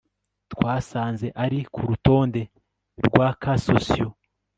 twasanze ari ku rutonde rwa cas sociaux